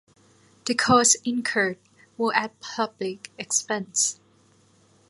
The costs incurred were at public expense.